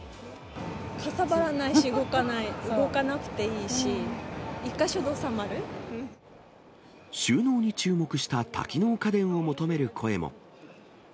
かさばらないし、動かなくていいし、収納に注目した多機能家電を求める声も。